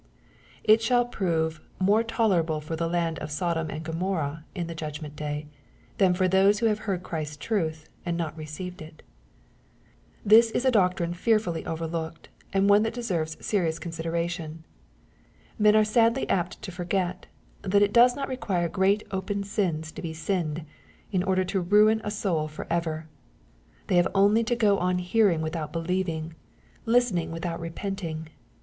It shall prove " more tolerable for the land of Sodom and Go morrha" in the judgment day, than for those who have heard Christ's truth, and not received it. This is a doctrine fearfully overlooked, and one that deserves serious consideration. Men are sadly apt to forget, that it does not require great open sins to be sinned, in order to ruin a soul for ever. They have only to go on hearing without believing, listening without repenting.